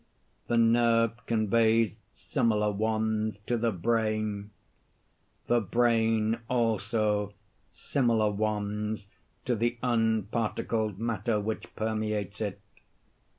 The nerve conveys similar ones to the brain; the brain, also, similar ones to the unparticled matter which permeates it.